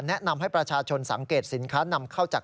แนะนำให้ประชาชนสังเกตสินค้านำเข้าจาก